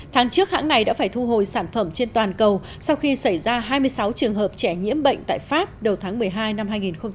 tháng trước hãng này đã phải thu hồi sản phẩm trên toàn cầu sau khi xảy ra hai mươi sáu trường hợp trẻ nhiễm bệnh tại pháp đầu tháng một mươi hai năm hai nghìn hai mươi